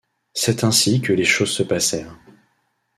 C’est ainsi que les choses se passèrent.